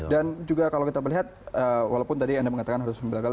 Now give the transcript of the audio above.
dan juga kalau kita melihat walaupun tadi anda mengatakan harus membelakang